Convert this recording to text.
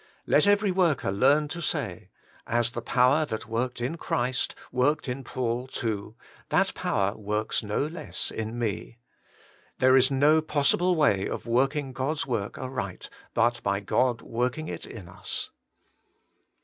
Let every worker learn to say — As the power that worked in Christ worked in Paul too, that power works no less in me. There is no possible way of working God's work aright, but by God working it in us.